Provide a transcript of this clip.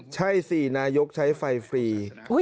ใช่สินายกใช้ไฟฟรี